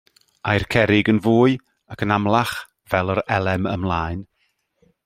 Ai'r cerrig yn fwy ac yn amlach fel yr elem ymlaen.